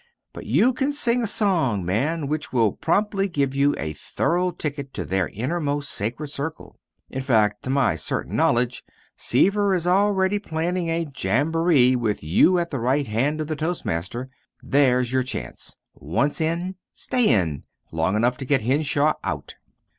But you can sing a song, man, which will promptly give you a through ticket to their innermost sacred circle. In fact, to my certain knowledge, Seaver is already planning a jamboree with you at the right hand of the toastmaster. There's your chance. Once in, stay in long enough to get Henshaw out."